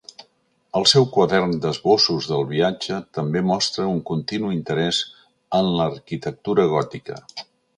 El seu quadern d'esbossos del viatge també mostra un continu interès en l'arquitectura gòtica.